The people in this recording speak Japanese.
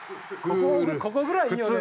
ここぐらいいいよね。